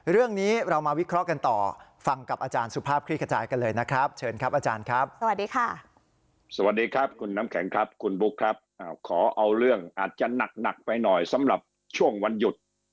ขอเอาเรื่องอาจจะหนักไปหน่อยสำหรับช่วงวันหยุด